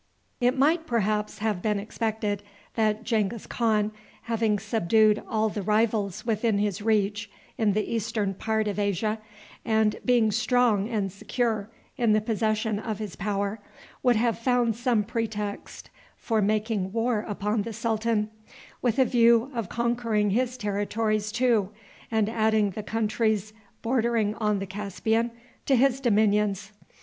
It might perhaps have been expected that Genghis Khan, having subdued all the rivals within his reach in the eastern part of Asia, and being strong and secure in the possession of his power, would have found some pretext for making war upon the sultan, with a view of conquering his territories too, and adding the countries bordering on the Caspian to his dominions.